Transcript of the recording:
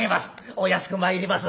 「お安く参ります」。